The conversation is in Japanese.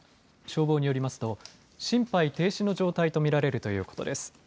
消防によりますと心肺停止の状態と見られるということです。